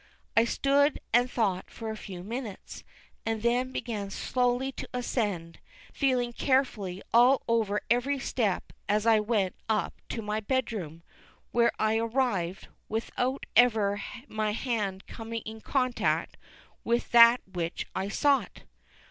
I stood and thought for a few minutes, and then began slowly to ascend, feeling carefully all over every step as I went up to my bed room, where I arrived, without ever my hand coming in contact with that which I sought.